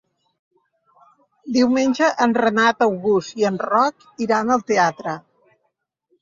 Diumenge en Renat August i en Roc iran al teatre.